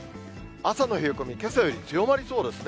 朝の冷え込み、けさより強まりそうですね。